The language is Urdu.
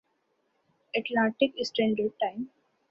Atlantic standard time